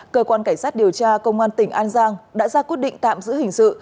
cơ quan cảnh sát điều tra công an tỉnh an giang đã ra quyết định tạm giữ hình sự